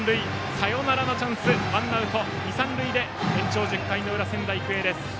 サヨナラのチャンスワンアウト、二、三塁で延長１０回の裏、仙台育英です。